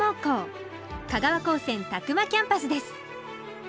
香川高専詫間キャンパスです